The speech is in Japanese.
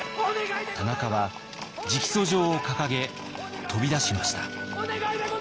田中は直訴状を掲げ飛び出しました。